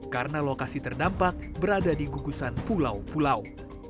karena lokasi terdampak berada di gugusan pulau pulau